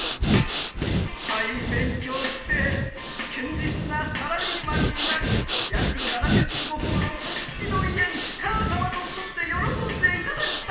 いっぱい勉強して堅実なサラリーマンになり約７０坪ほどの土地付きの家に母さまと住んで喜んでいただきたい。